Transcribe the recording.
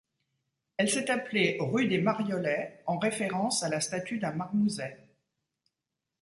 Elle s'est appelée rue des Mariollets, en référence à la statue d'un marmouset.